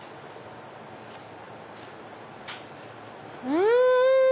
うん！